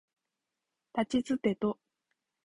たちつてと